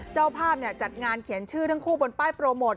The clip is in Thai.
เจ้าภาพจัดงานเขียนชื่อทั้งคู่บนป้ายโปรโมท